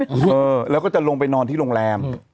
เออแล้วก็จะลงไปนอนที่โรงแรม